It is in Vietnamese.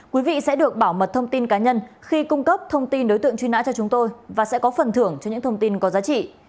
quý vị sẽ được bảo mật thông tin cá nhân khi cung cấp thông tin đối tượng truy nã cho chúng tôi và sẽ có phần thưởng cho những thông tin có giá trị